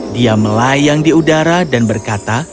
dia melayang di udara dan berkata